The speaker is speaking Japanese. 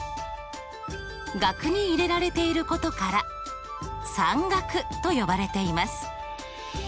額に入れられていることから算額と呼ばれています。